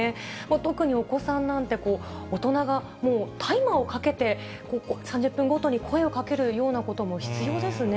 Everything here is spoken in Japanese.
特にお子さんなんて、大人がもうタイマーをかけて、３０分ごとに声をかけるようなことも必要ですね。